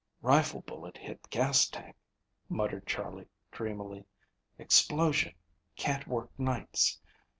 "Rifle bullet hit gas tank," muttered Charley dreamily. "Explosion. Can't work nights.